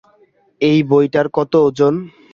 এই বইটার কত ওজন?